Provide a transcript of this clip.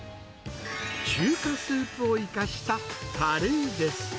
中華スープを生かしたカレーです。